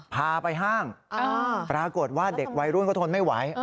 พาไปห้างปรากฏว่าเด็กวัยรุ่นเขาทนไม่ไหว